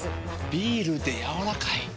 ビールでやわらかい。